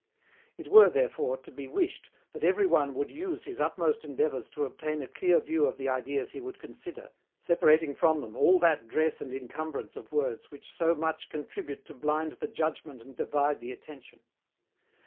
It were, therefore, to be wished that everyone would use his utmost endeavours to obtain a clear view of the ideas he would consider, separating from them all that dress and incumbrance of words which so much contribute to blind the judgment and divide the attention.